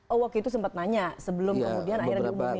oh waktu itu sempat nanya sebelum kemudian akhirnya diumumkan